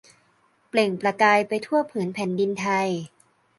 เปล่งประกายไปทั่วผืนแผ่นดินไทย